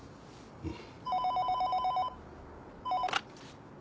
うん。